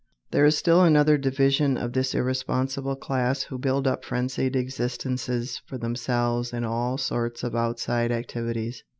There is still another division of this irresponsible class, who build up frenzied existences for themselves in all sorts of outside activities.